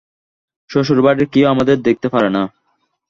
শ্বশুরবাড়ির কেউ আমাদের দেখতে পারে না।